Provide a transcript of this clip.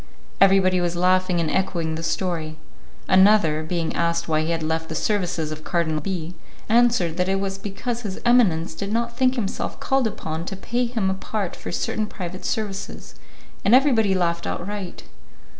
Everybody was laughing and echoing the story. Another, being asked why he had left the services of Cardinal B., answered that it was because his eminence did not think himself called upon to pay him apart for certain private services, and everybody laughed outright.